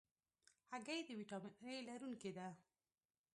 هګۍ د ویټامین A لرونکې ده.